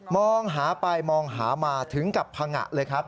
มองหาไปมองหามาถึงกับพังงะเลยครับ